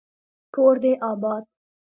کور دي اباد